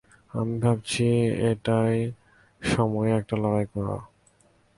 আমি ভাবছি, এটাই সময় একটা লড়াই করার।